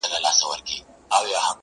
د زړه كاڼى مــي پــر لاره دى لــوېـدلى،